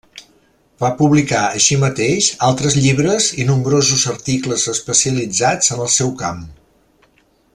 Va publicar així mateix altres llibres i nombrosos articles especialitzats en el seu camp.